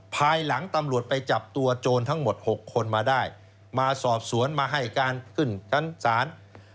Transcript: ภายหลังตำรวจไปจับตัวโจรทั้งหมด๖คนมาได้มาสอบสวนมาให้การขึ้นชั้นศาล